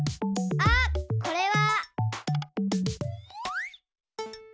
あっこれは。